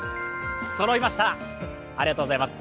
そろいました、ありがとうございます。